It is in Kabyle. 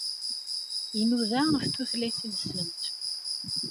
Inuda ɣef tutlayt-nsent.